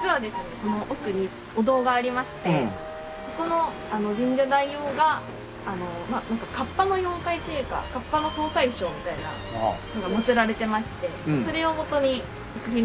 この奥にお堂がありましてここの深沙大王がカッパの妖怪というかカッパの総大将みたいな祀られてましてそれをもとに作品に登場させた事もある。